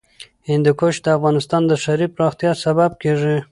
هندوکش د افغانستان د ښاري پراختیا سبب کېږي.